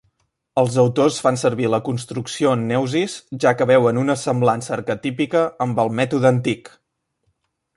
Els autors fan servir la construcció neusis, ja que veuen una semblança arquetípica amb el mètode antic.